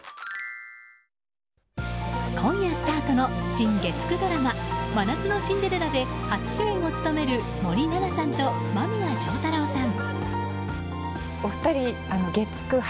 今夜スタートの新月９ドラマ「真夏のシンデレラ」で初主演を務める森七菜さんと間宮祥太朗さん。